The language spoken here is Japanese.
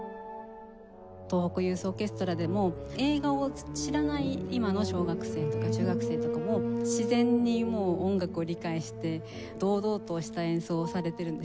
東北ユースオーケストラでも映画を知らない今の小学生とか中学生とかも自然にもう音楽を理解して堂々とした演奏をされているんですね。